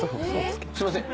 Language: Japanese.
すいません。